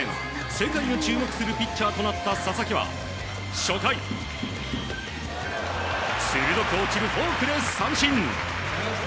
世界が注目するピッチャーとなった佐々木は初回、鋭く落ちるフォークで三振！